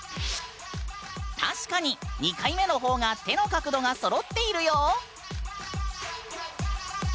確かに２回目の方が手の角度がそろっているよ！